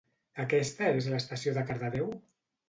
Aquesta és l'estació de Cardedeu?